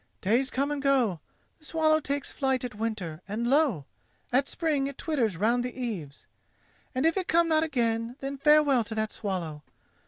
Days come and go; the swallow takes flight at winter, and lo! at spring it twitters round the eaves. And if it come not again, then farewell to that swallow.